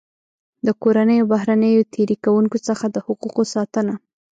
د کورنیو او بهرنیو تېري کوونکو څخه د حقوقو ساتنه.